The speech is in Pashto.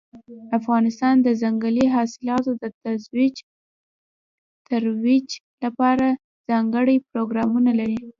افغانستان د ځنګلي حاصلاتو د ترویج لپاره ځانګړي پروګرامونه لري.